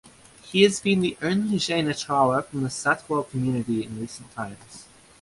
He has been the only Jain acharya from the Saitwal community in recent times.